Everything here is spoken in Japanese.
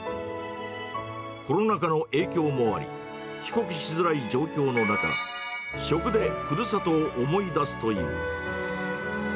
コロナ禍の影響もあり、帰国しづらい状況の中、食でふるさとを思い出すという。